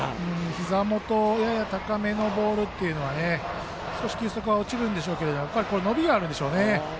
ひざ元やや高めのボールは少し球速は落ちるんですけど伸びはあるんでしょうね。